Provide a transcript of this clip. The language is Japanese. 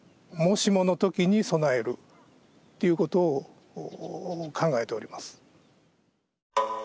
もしもの時に備えるっていうことを考えております。